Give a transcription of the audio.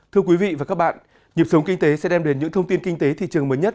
thưa quý vị và các bạn nhịp sống kinh tế sẽ đem đến những thông tin kinh tế thị trường mới nhất